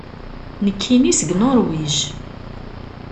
Nekkini seg Nuṛwij.